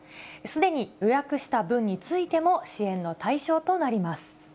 すでに予約した分についても支援の対象となります。